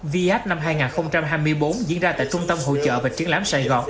vx năm hai nghìn hai mươi bốn diễn ra tại trung tâm hỗ trợ và triển lãm sài gòn